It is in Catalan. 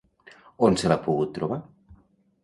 On se l'ha pogut trobar?